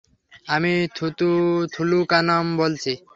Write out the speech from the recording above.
আমি থুলুকানাম বলছি।